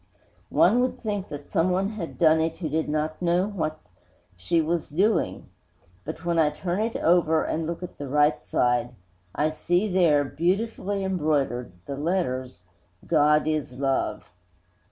One would think that someone had done it who did not know what she was doing. But, when I turn it over and look at the right side, I see there, beautifully embroidered, the letters GOD IS LOVE.